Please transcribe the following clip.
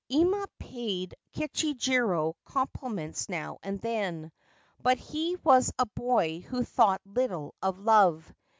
Ima paid Kichijiro compliments now and then ; but he was a boy who thought little of love.